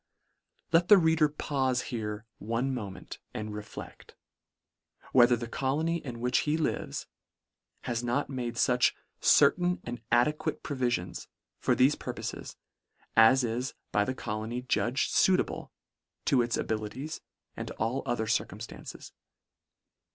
Let the reader paufe here one moment, and reflect — whether the colony in which he lives, has not made fuch " certain and ade " quate proviiions" for thefe purpofes, as is by the colony judged fuitable to its abili ties, and all other circumftances.